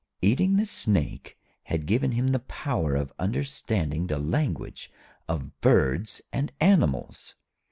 Eating the Snake had given him the power of understanding the language of birds and animals.